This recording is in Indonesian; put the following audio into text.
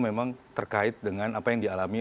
memang terkait dengan apa yang dialami